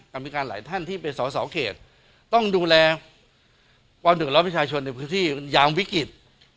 กรรมิการหลายท่านที่ไปสอสอเขตต้องดูแลวัพพิชาชนในพื้นที่อย่างวิกฤต